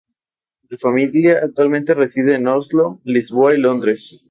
La familia actualmente reside en Oslo, Lisboa y Londres.